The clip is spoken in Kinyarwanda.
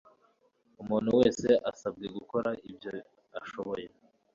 umuntu wese asaba gukora ibyo ashoboye